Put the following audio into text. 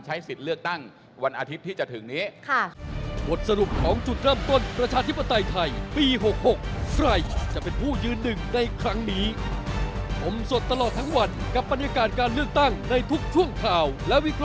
ใช้สิทธิ์เลือกตั้งวันอาทิตย์ที่จะถึงนี้